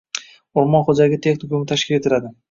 O‘rmon xo‘jaligi texnikumi tashkil etiladi